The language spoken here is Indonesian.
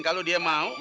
kalau dia mau